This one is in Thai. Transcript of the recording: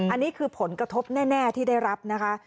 อันนี้คือผลกระทบแน่ที่ได้รับนะคะ